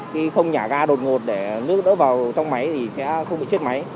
khi không nhà ga đột ngột để nước đỡ vào trong máy thì sẽ không bị chết máy